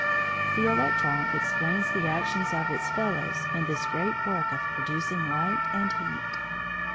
The electron explains the actions of its fellows in this great work of producing light and heat.